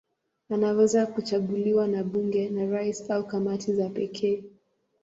Anaweza kuchaguliwa na bunge, na rais au kamati za pekee.